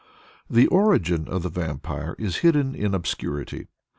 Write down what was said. The origin of the Vampire is hidden in obscurity.